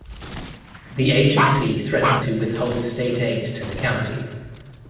The agency threatened to withhold state aid to the county.